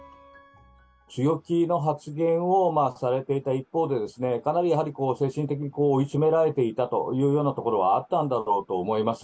強気の発言をされていた一方でですね、かなりやはり精神的に追い詰められていたというようなところはあったんだろうと思います。